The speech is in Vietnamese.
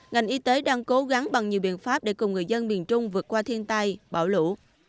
ngành y tế đang cố gắng bằng nhiều biện pháp để cùng người dân miền trung vượt qua thiên tai bão lũ